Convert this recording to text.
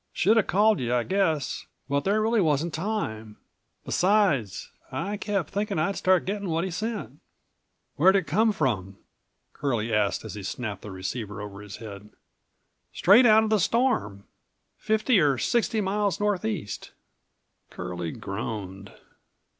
Should have called you, I guess, but there really wasn't time; besides I kept thinking I'd start getting what he sent." "Where'd it come from?" Curlie asked as he snapped the receiver over his head. "Straight out of the storm. Fifty or sixty miles northeast." Curlie groaned.